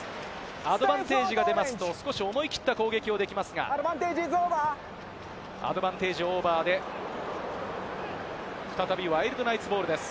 アドバンテージが出ますと、少し思い切った攻撃ができますが、アドバンテージオーバーで再びワイルドナイツボールです。